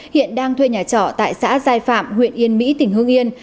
hiện đang thuê nhà trọ tại xã giai phạm huyện yên mỹ tỉnh hương yên